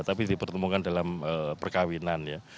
tapi dipertemukan dalam perkawinan